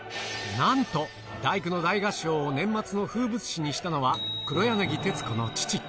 なんと、第九の大合唱を年末の風物詩にしたのは、黒柳徹子の父。